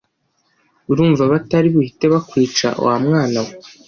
urumva batari buhite bakwica wamwana we